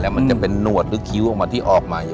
แล้วมันจะเป็นหนวดหรือคิ้วออกมาที่ออกมา